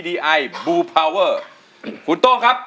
พี่ต้องรู้หรือยังว่าเพลงอะไร